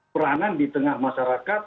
peranan di tengah masyarakat